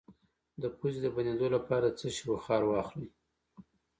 د پوزې د بندیدو لپاره د څه شي بخار واخلئ؟